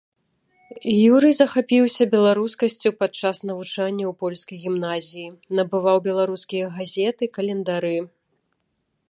Юрый захапіўся беларускасцю падчас навучання ў польскай гімназіі, набываў беларускія газеты, календары.